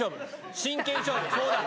真剣勝負そうだ！